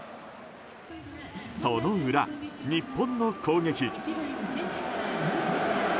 その裏、日本の攻撃。